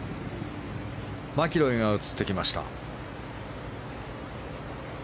マキロイが映ってきました。